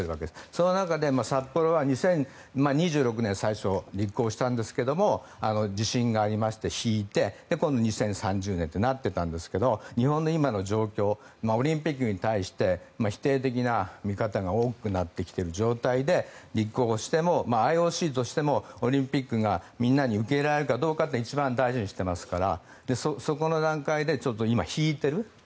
その中で札幌は２０２６年最初立候補したんですが地震がありまして、引いて今度２０３０年となっていたんですが日本の今の状況オリンピックに対して否定的な見方が多くなってきている状態で立候補してもＩＯＣとしてもオリンピックがみんなに受け入れられるかどうかというのを一番大事にしていますからそこの段階で今、ちょっと引いている。